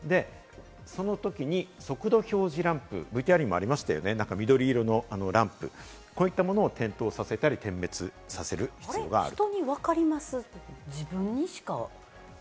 そのときに速度表示ランプ、ＶＴＲにもありましたが、緑色のランプ、こういったものを点灯させたり点滅させる必要があります。